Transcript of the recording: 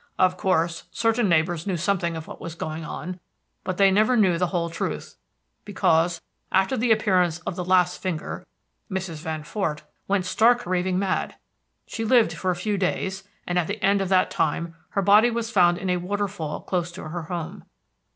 "Of course, certain neighbors knew something of what was going on, but they never knew the whole truth, because, after the appearance of the last finger, Mrs. Van Fort went stark raving mad. She lived for a few days, and at the end of that time her body was found in a waterfall close to her house.